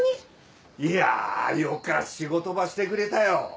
いやぁよか仕事ばしてくれたよ。